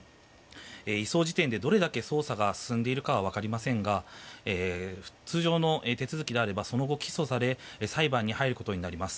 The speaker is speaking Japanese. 移送時点でどれだけ捜査が進んでいるかは分かりませんが通常の手続きであればその後、起訴され裁判に入ることになります。